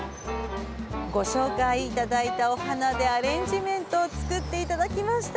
ご紹介いただいたお花でアレンジメントを作っていただきました。